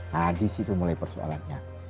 nah disitu mulai persoalannya